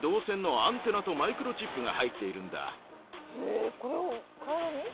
えっこれを体に？